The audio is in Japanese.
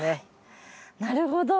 なるほど。